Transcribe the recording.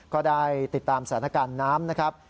ก็ได้ติดตามสถานการณ์น้ำนะครับ